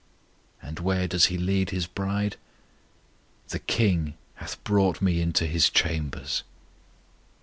And where does He lead His bride? The King hath brought me into His chambers.